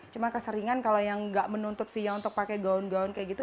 cuma keseringan kalau yang nggak menuntut fia untuk pakai gaun gaun kayak gitu